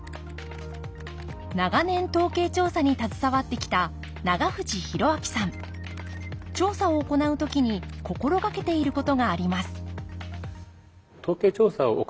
長年統計調査に携わってきた調査を行う時に心掛けていることがあります